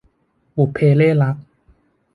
บุพเพเล่ห์รัก